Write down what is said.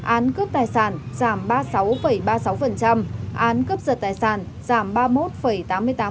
án cướp tài sản giảm ba mươi sáu ba mươi sáu án cướp giật tài sản giảm ba mươi một tám mươi tám